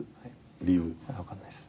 分かんないっす。